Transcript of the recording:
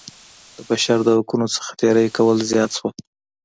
د بشر د حقونو څخه تېری کول زیات شول.